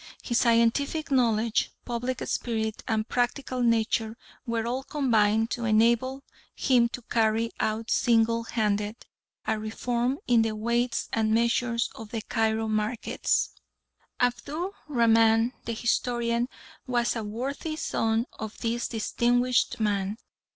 His scientific knowledge, public spirit, and practical nature were all combined to enable him to carry out single handed a reform in the weights and measures of the Cairo markets. Abdu Rahman, the historian, was a worthy son of this distinguished man.